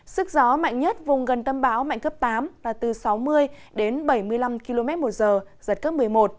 sức gió mạnh nhất vùng gần tâm báo mạnh cấp tám là từ sáu mươi đến bảy mươi năm km một giờ giật cấp một mươi một